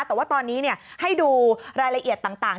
แต่ว่าตอนนี้ให้ดูรายละเอียดต่าง